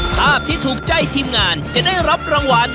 ภาพที่ถูกใจทีมงานจะได้รับรางวัล